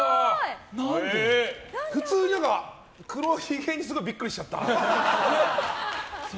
普通に何か黒ひげにすごいビックリしちゃった。